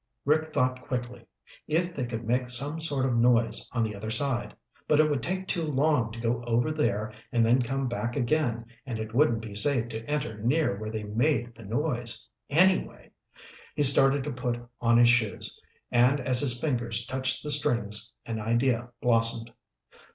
Rick thought quickly. If they could make some sort of noise on the other side ... but it would take too long to go over there and then come back again and it wouldn't be safe to enter near where they made the noise, anyway. He started to put on his shoes, and as his fingers touched the strings, an idea blossomed.